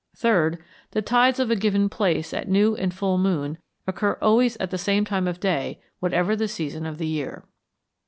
3rd. The tides of a given place at new and full moon occur always at the same time of day whatever the season of the year.